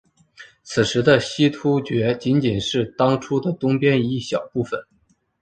此时的西突厥仅仅是当初的东边一小部分。